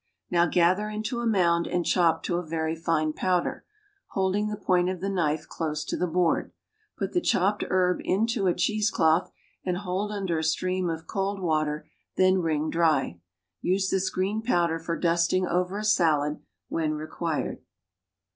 Now gather into a mound and chop to a very fine powder, holding the point of the knife close to the board. Put the chopped herb into a cheese cloth and hold under a stream of cold water, then wring dry. Use this green powder for dusting over a salad when required.